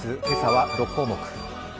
今朝は６項目。